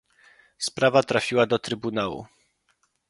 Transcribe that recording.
Sprawa trafiła do Trybunału